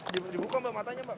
dibuka mbak matanya mbak